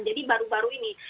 jadi baru baru ini